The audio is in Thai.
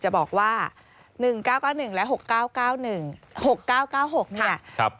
๑๙๙๑และ๖๙๙๑